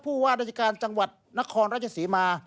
ว่าราชการจังหวัดนครราชศรีมา